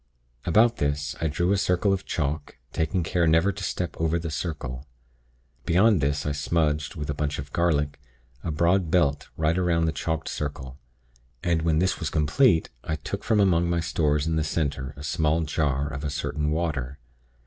About this, I drew a circle of chalk, taking care never to step over the circle. Beyond this I smudged, with a bunch of garlic, a broad belt right around the chalked circle, and when this was complete, I took from among my stores in the center a small jar of a certain water.